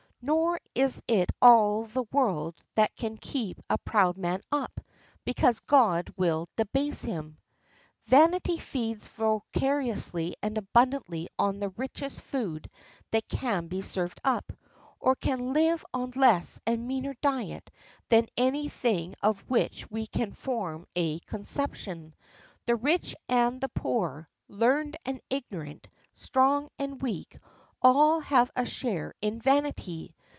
Nor is it all the world that can keep a proud man up, because God will debase him. Vanity feeds voraciously and abundantly on the richest food that can be served up, or can live on less and meaner diet than any thing of which we can form a conception. The rich and the poor, learned and ignorant, strong and weak,—all have a share in vanity.